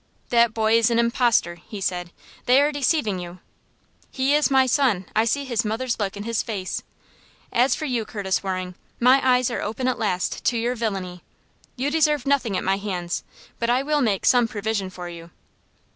"That boy is an impostor," he said. "They are deceiving you." "He is my son. I see his mother's look in his face. As for you, Curtis Waring, my eyes are open at last to your villainy. You deserve nothing at my hands; but I will make some provision for you."